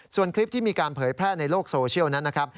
ส่วนคลิปที่มีการเผยแพร่ในโลกโซเชียลนั้นนะครับ